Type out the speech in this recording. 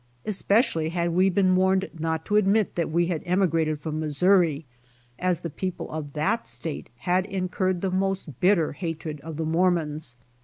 Especially had we been w^arned not to admit that we had emigrated from Mis souri, as the people of that state had incurred the most bitter hatred of the Mormons.